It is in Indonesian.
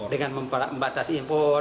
dengan cara membatasi impor